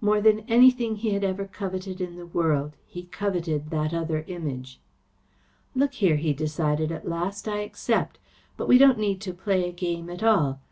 More than anything he had ever coveted in the world he coveted that other Image. "Look here," he decided at last, "I accept. But we don't need to play a game at all.